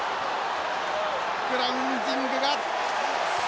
グラウンディングが成功です。